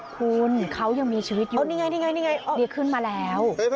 คุณเขายังมีชีวิตอยู่นี่ไงนี่ไงนี่ขึ้นมาแล้ว